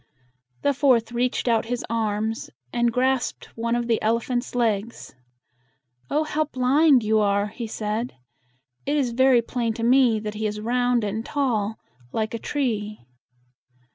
The fourth reached out his arms, and grasped one of the elephant's legs. "Oh, how blind you are!" he said. "It is very plain to me that he is round and tall like a tree."